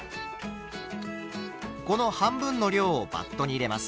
この半分の量をバットに入れます。